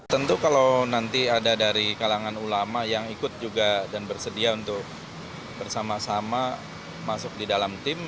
tentu kalau nanti ada dari kalangan ulama yang ikut juga dan bersedia untuk bersama sama masuk di dalam tim